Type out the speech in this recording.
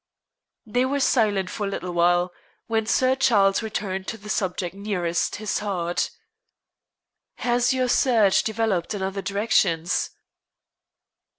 They were silent for a little while, when Sir Charles returned to the subject nearest his heart. "Has your search developed in other directions?"